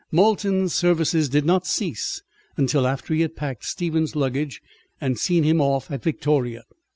Molton's services did not cease until after he had packed Stephen's luggage, and seen him off at Victoria.